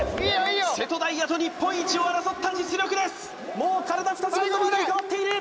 瀬戸大也と日本一を争った実力です・最後までいけー！